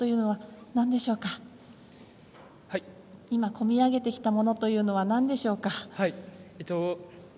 今、こみ上げてきたものというのはなんでしょうか？